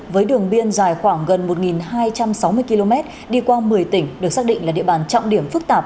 với đường biên dài khoảng gần một hai trăm sáu mươi km đi qua một mươi tỉnh được xác định là địa bàn trọng điểm phức tạp